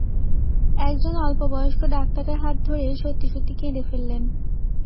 এক জন অল্পবয়স্ক ডাক্তারের হাত ধরে সত্যি-সত্যি কেঁদে ফেললেন।